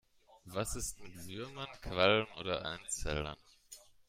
Was ist mit Würmern, Quallen oder Einzellern?